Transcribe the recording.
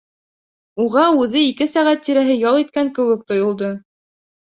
Уға үҙе ике сәғәт тирәһе ял иткән кеүек тойолдо.